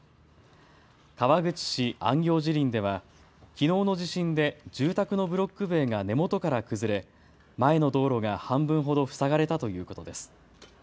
川口市安行慈林ではきのうの地震で住宅のブロック塀が根元から崩れ、前の道路が半分ほど塞がれたということです。